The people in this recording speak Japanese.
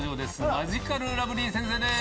マヂカルラブリー先生です。